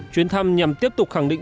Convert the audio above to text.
chuyến thăm nhằm tiếp tục khẳng định